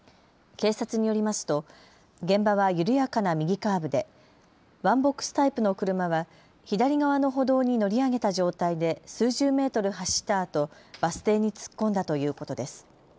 警察によりますと現場は緩やかな右カーブでワンボックスタイプの車は左側の歩道に乗り上げた状態で数十メートル走ったあとバス停に突っ込んだということです。